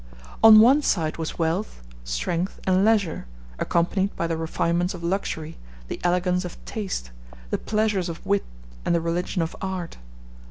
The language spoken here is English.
On one side was wealth, strength, and leisure, accompanied by the refinements of luxury, the elegance of taste, the pleasures of wit, and the religion of art.